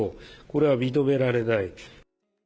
これは認められない。